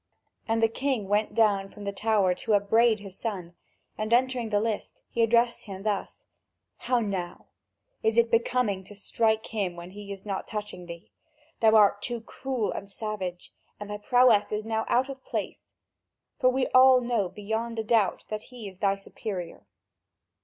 And the king went down from the tower to upbraid his son, and entering the list he addressed him thus: "How now? Is this becoming, to strike him when he is not touching thee? Thou art too cruel and savage, and thy prowess is now out of place! For we all know beyond a doubt that he is thy superior."